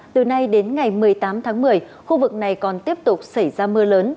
từ nay đến ngày một mươi tám tháng một mươi khu vực này còn tiếp tục xảy ra mưa lớn